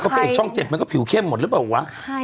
พระเอกช่อง๗มันก็ผิวเข้มหมดหรือเปล่าวะ